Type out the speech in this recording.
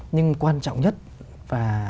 nhưng quan trọng nhất và